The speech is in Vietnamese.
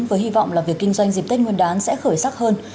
với hy vọng là việc kinh doanh dịp tết nguyên đán sẽ khởi sắc hơn